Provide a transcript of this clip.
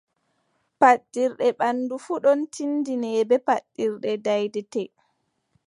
Paddirɗe ɓanndu fuu ɗon tinndine bee : Paddirɗe daydetee.